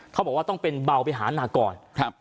เขาบอกว่าต้องเป็นเบาไปหานาก่อน